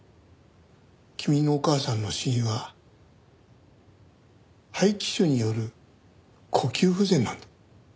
君のお母さんの死因は肺気腫による呼吸不全なんだ。